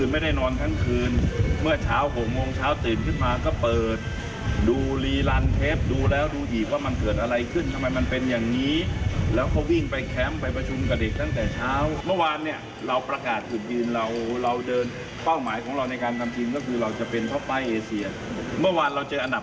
มันต้องทำมากกว่าที่ทำที่ผ่านมามากมายมหาศาล